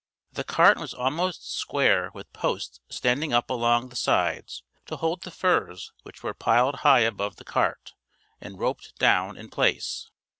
The cart was almost square with posts standing up along the sides to hold the furs which were piled high above the cart and roped down in place.